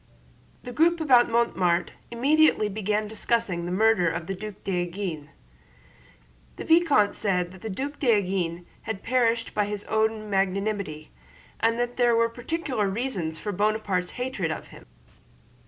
The group about Mortemart immediately began discussing the murder of the Duc d'Enghien. The vicomte said that the Duc d'Enghien had perished by his own magnanimity, and that there were particular reasons for Buonaparte's hatred of him.